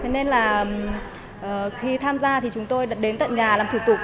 nên là khi tham gia thì chúng tôi đến tận nhà làm thử tục